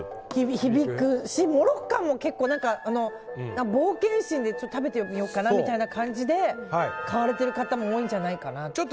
響くし、モロッカンも冒険心で食べてみようかなみたいな感じで買われている方も多いんじゃないかなと。